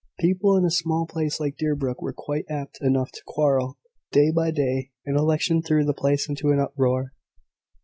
People in a small place like Deerbrook were quite apt enough to quarrel, day by day; an election threw the place into an uproar.